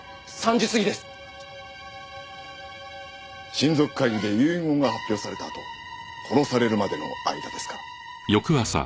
親族会議で遺言が発表されたあと殺されるまでの間ですか。